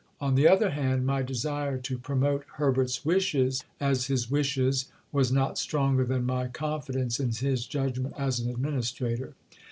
On the other hand, my desire to promote Herbert's wishes, as his wishes, was not stronger than my confidence in his judgment as an administrator.